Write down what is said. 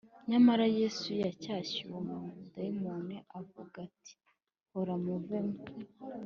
nyamara yesu yacyashye uwo mudayimoni avuga ati: “hora muvemo